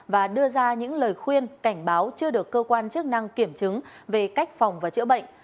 và đưa ra những lời khuyên cảnh báo chưa được cơ quan chức năng kiểm chứng về cách phòng và chữa bệnh